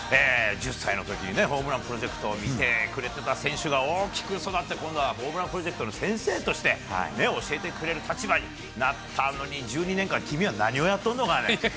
１０歳のときにね、ホームランプロジェクトを見てくれてた選手が大きく育って、今度はホームランプロジェクトの先生として教えてくれる立場になったのに、１２年間、君は何をやっとんのかね。